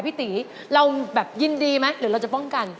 พี่ตีเราแบบยินดีไหมหรือเราจะป้องกัน